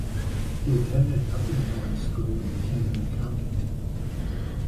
He attended Uppingham School and became an accountant.